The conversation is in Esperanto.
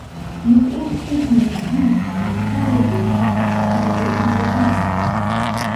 Li estis murdita fare de Cagoule-anoj.